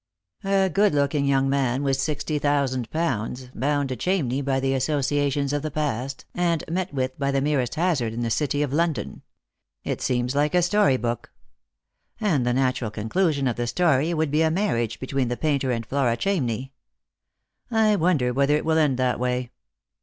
"A good looking young man, with sixty thousand pounds, 40 Lost for Zote. bound to Chamney by the associations of the past, and met •with by the merest hazard in the city of London. It seems like a story book. And the natural conclusion of the story •would be a marriage between the painter and Flora Chamney. I wonder whether it will end that way.